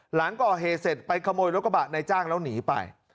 หลังก่อเหตุเสร็จไปขโมยรถกระบะในจ้างแล้วหนีไป